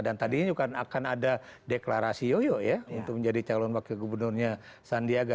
dan tadinya juga akan ada deklarasi yoyo ya untuk menjadi calon wakil gubernurnya sandiaga